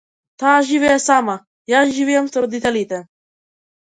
Таа живее сама, јас живеам со родителите.